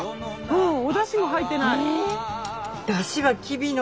うんおだしも入ってない。